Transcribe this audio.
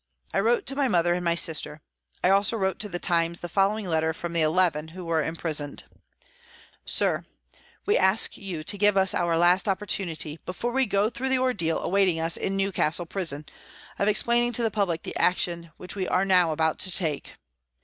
I wrote to my mother and my sister. I also wrote to the Times the following letter, from the eleven * who were imprisoned :*' SIR, We ask you to give us our last oppor tunity, before we go through the ordeal awaiting us in Newcastle Prison, of explaining to the public the action which we are now about to take.